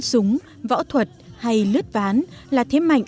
bắn súng võ thuật hay lứt ván là thế mạnh